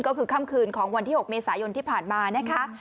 ก็คือค่ำคืนของวันที่๖เมษายนที่ผ่านมานะคะ